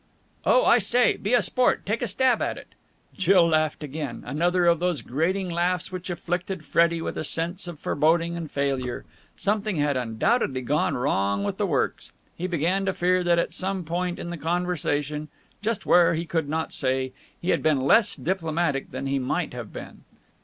"Oh, I say! Be a sport! Take a stab at it!" Jill laughed again another of those grating laughs which afflicted Freddie with a sense of foreboding and failure. Something had undoubtedly gone wrong with the works. He began to fear that at some point in the conversation just where he could not say he had been less diplomatic than he might have been.